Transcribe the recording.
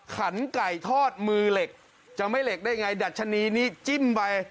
ขันไก่ทอดมือเหล็กจะไม่เหล็กได้ไงดัชนีนี้จิ้มไป